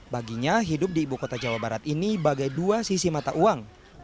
baginya hidup di ibu kota jawa barat ini bagai dua sisi mata uang